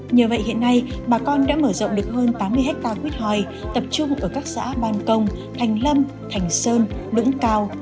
nhờ vậy hiện nay bà con đã mở rộng được hơn tám mươi hectare quýt hòi tập trung ở các xã ban công thành lâm thành sơn lũng cao